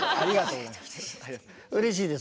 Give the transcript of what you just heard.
うれしいですわ。